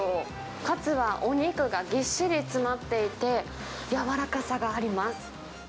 カツはお肉がぎっしり詰まっていて、柔らかさがあります。